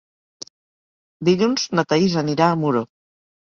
Dilluns na Thaís anirà a Muro.